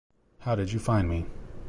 How did you find me?